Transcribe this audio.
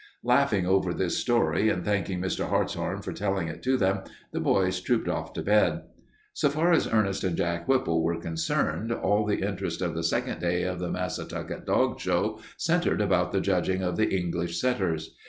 Laughing over this story, and thanking Mr. Hartshorn for telling it to them, the boys trooped off to bed. So far as Ernest and Jack Whipple were concerned, all the interest of the second day of the Massatucket Dog Show centered about the judging of the English setters.